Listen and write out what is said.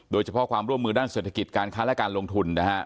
โดยเฉพาะความร่วมมือด้านเศรษฐกิจการค้าและการลงทุนนะฮะ